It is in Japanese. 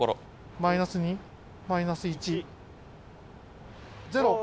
マイナス２マイナス１ゼロ。